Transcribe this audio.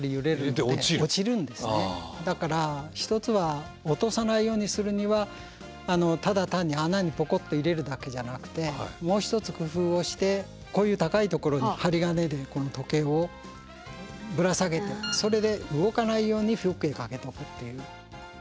だから一つは落とさないようにするにはただ単に穴にポコッと入れるだけじゃなくてもう一つ工夫をしてこういうそれで動かないようにフックへ掛けておくっていう。